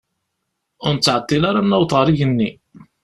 Ur nettɛeṭṭil ara ad naweḍ ar igenni.